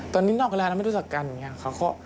ตอนนี้นอกเวลาเราไม่รู้จักกันอย่างนี้